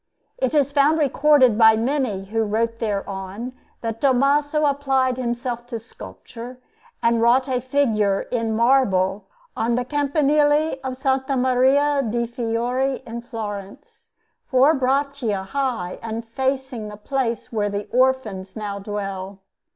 It is found recorded by many who wrote thereon that Tommaso applied himself to sculpture and wrought a figure in marble on the Campanile of S. Maria del Fiore in Florence, four braccia high and facing the place where the Orphans now dwell.